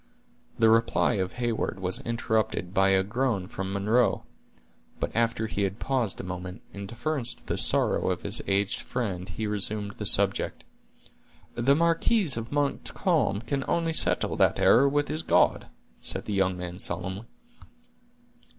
The reply of Heyward was interrupted by a groan from Munro; but after he had paused a moment, in deference to the sorrow of his aged friend he resumed the subject. "The marquis of Montcalm can only settle that error with his God," said the young man solemnly.